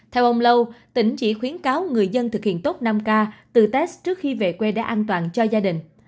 theo ông lâu tỉnh chỉ khuyến cáo người dân thực hiện tốt năm k từ test trước khi về quê đá an toàn cho gia đình